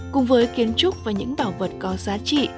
cùng với kiến trúc và những bảo vật có giá trị